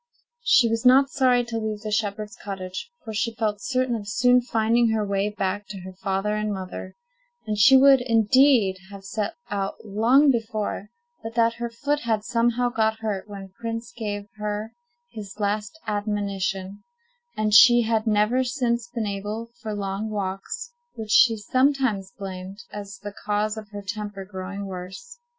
She was not sorry to leave the shepherd's cottage, for she felt certain of soon finding her way back to her father and mother; and she would, indeed, have set out long before, but that her foot had somehow got hurt when Prince gave her his last admonition, and she had never since been able for long walks, which she sometimes blamed as the cause of her temper growing worse.